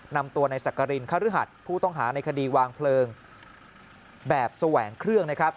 นำตัวในสักกรินคฤหัสผู้ต้องหาในคดีวางเพลิงแบบแสวงเครื่องนะครับ